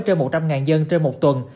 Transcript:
trên một trăm linh dân trên một tuần